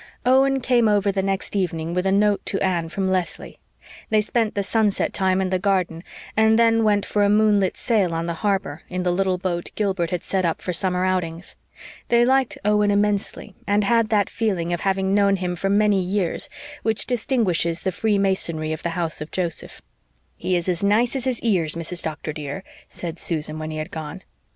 Owen Ford came over the next evening with a note to Anne from Leslie; they spent the sunset time in the garden and then went for a moonlit sail on the harbor, in the little boat Gilbert had set up for summer outings. They liked Owen immensely and had that feeling of having known him for many years which distinguishes the freemasonry of the house of Joseph. "He is as nice as his ears, Mrs. Doctor, dear," said Susan, when he had gone.